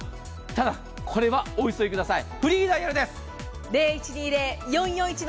ただ、これはお急ぎください。